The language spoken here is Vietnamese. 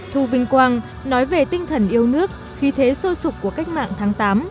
thu vinh quang nói về tinh thần yêu nước khí thế sôi sụp của cách mạng tháng tám